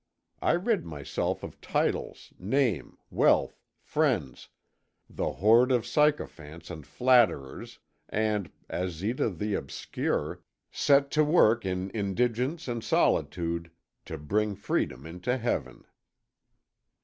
I rid myself of titles, name, wealth, friends, the horde of sycophants and flatterers and, as Zita the obscure, set to work in indigence and solitude, to bring freedom into Heaven."